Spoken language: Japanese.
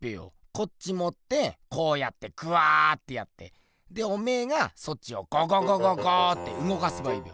こっちもってこうやってグワーッてやってでおめぇがそっちをゴゴゴゴゴーってうごかせばいいべ。